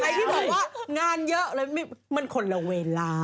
ใครที่บอกว่างานเยอะมันคนละเวลา